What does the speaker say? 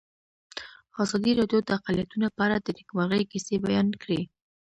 ازادي راډیو د اقلیتونه په اړه د نېکمرغۍ کیسې بیان کړې.